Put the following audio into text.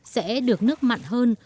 sẽ được nước mặn hơn